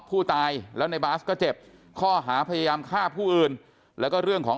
ผู้ตายแล้วในบาสก็เจ็บข้อหาพยายามฆ่าผู้อื่นแล้วก็เรื่องของ